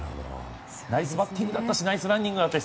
ナイスバッティングだったしナイスランニングだった。